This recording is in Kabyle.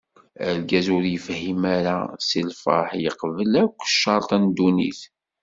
Argaz ur yefhim ara seg lferḥ yeqbel akk ccerṭ n dunnit.